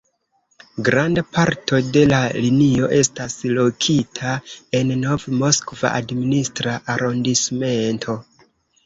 Granda parto de la linio estas lokita en Nov-Moskva administra arondismento.